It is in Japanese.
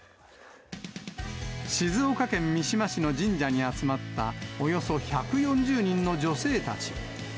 静岡県三島市の神社に集まった、およそ１４０人の女性たち。